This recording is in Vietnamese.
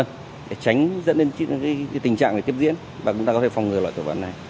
để tránh dẫn đến tình trạng này tiếp diễn và chúng ta có thể phòng ngừa loại tội phạm này